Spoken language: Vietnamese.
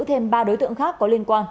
thêm ba đối tượng khác có liên quan